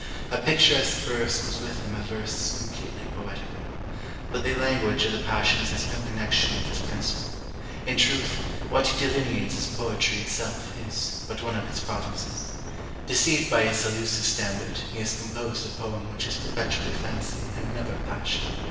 A picturesque verse was with him a verse completely poetical. But the language of the passions has no connexion with this principle; in truth, what he delineates as poetry itself, is but one of its provinces. Deceived by his illusive standard, he has composed a poem which is perpetually fancy, and never passion.